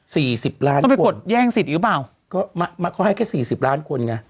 สิบล้านก็ไปกดแย่งสิทธิ์หรือเปล่าก็มาเขาให้แค่สี่สิบล้านคนไง